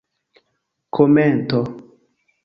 komento